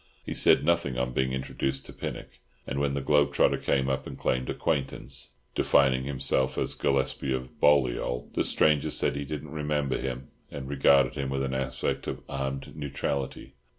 He said nothing on being introduced to Pinnock; and when the globe trotter came up and claimed acquaintance, defining himself as "Gillespie of Balliol," the stranger said he didn't remember him, and regarded him with an aspect of armed neutrality.